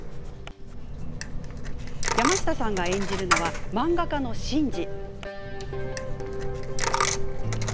山下さんが演じるのは漫画家の真治。